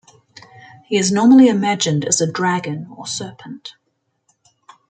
He is normally imagined as a dragon or serpent.